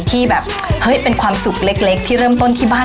ที่แบบเฮ้ยเป็นความสุขเล็กที่เริ่มต้นที่บ้าน